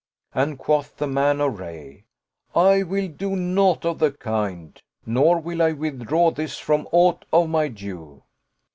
And quoth the man of Rayy, " I will do naught of the kind, nor will I with draw this from aught of my due."